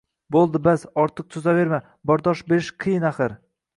— Bo‘ldi, bas, ortiq cho‘zaverma, bardosh berish qiyin, axir!